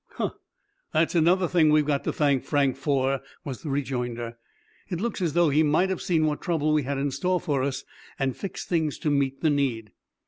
"Huh! That's another thing we've got to thank Frank for," was the rejoinder. "It looks as though he might have seen what trouble we had in store for us, and fixed things to meet the need."